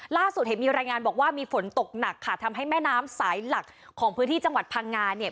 ล่าสุดเห็นมีรายงานบอกว่ามีฝนตกหนักค่ะทำให้แม่น้ำสายหลักของพื้นที่จังหวัดพังงาเนี่ย